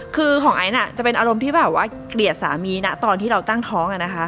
คือของไอซ์จะเป็นอารมณ์ที่แบบว่าเกลียดสามีนะตอนที่เราตั้งท้องอะนะคะ